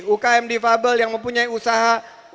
ukm difabel yang mempunyai usaha